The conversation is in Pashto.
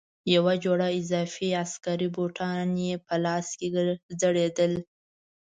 یوه جوړه اضافي عسکري بوټان یې په لاس کې ځړېدل.